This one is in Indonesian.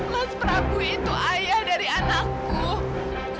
mas prabu itu ayah dari anakku